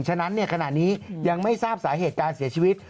ฉะนั้นขณะนี้ยังไม่ทราบสาเหตุการเสียชีวิต